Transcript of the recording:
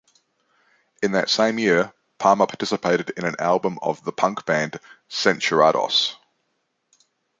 In that same year, Palma participated in an album of the punk band Censurados.